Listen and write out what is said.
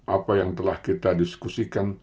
apa yang telah kita diskusikan